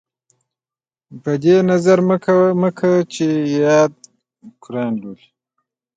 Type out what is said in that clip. په دې یې نظر مه کړه چې په یاد قران لولي.